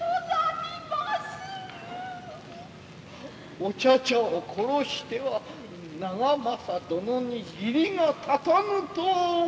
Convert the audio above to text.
お茶々を殺しては長政殿に義理が立たぬと思わぬのか。